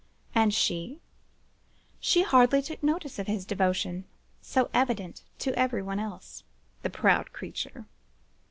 And she? She hardly took notice of his devotion, so evident to every one else. The proud creature!